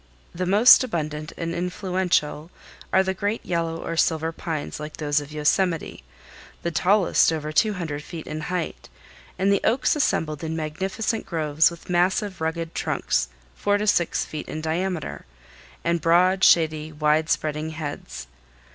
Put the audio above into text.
The most abundant and influential are the great yellow or silver pines like those of Yosemite, the tallest over two hundred feet in height, and the oaks assembled in magnificent groves with massive rugged trunks four to six feet in diameter, and broad, shady, wide spreading heads.